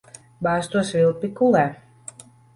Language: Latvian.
Bāz to svilpi kulē.